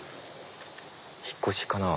引っ越しかな。